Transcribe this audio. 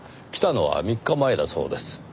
来たのは３日前だそうです。